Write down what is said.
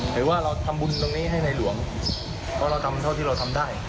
หรือว่าเราทำบุญตรงนี้ให้ในหลวงเพราะเราทำเท่าที่เราทำได้